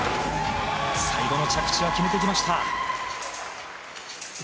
最後の着地は決めてきました。